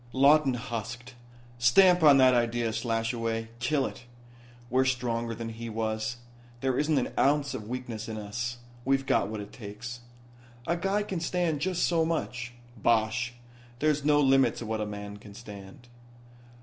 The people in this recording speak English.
Lawton husked: "Stamp on that idea, Slashaway kill it. We're stronger than he was. There isn't an ounce of weakness in us. We've got what it takes." "A guy can stand just so much." "Bosh. There's no limit to what a man can stand."